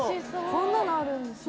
こんなのあるんですね